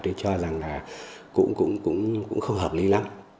tôi cho rằng là cũng không hợp lý lắm